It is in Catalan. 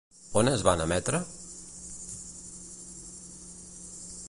On es van emetre?